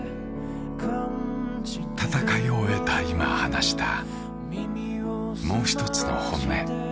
戦いを終えた今話した、もう一つの本音。